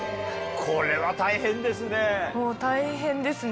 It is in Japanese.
これは大変ですね。